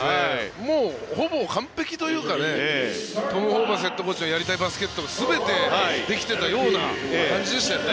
ほぼ完璧というかトム・ホーバスヘッドコーチのやりたいバスケットを全てできていたような感じでしたよね。